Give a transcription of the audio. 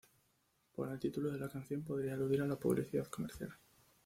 Por el título de la canción podría aludir a la publicidad comercial.